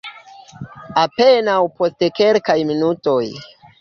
Apenaŭ post kelkaj minutoj.